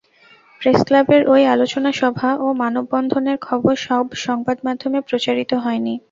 প্রেসক্লাবের ওই আলোচনা সভা ও মানববন্ধনের খবর সব সংবাদমাধ্যমে প্রচারিত হয়নি।